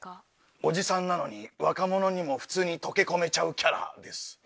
おじさんなのに若者にも普通に溶け込めちゃうキャラです。